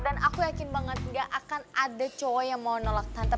dan aku yakin banget gak akan ada cowok yang mau nolak tante